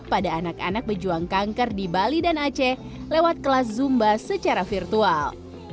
pada anak anak berjuang kanker di bali dan aceh lewat kelas zumba secara virtual